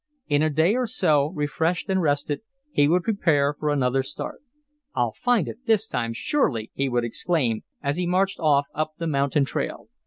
In a day or so, refreshed and rested, he would prepare for another start. "I'll find it this time, surely!" he would exclaim, as he marched off up the mountain trail.